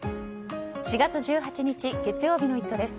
４月１８日、月曜日の「イット！」です。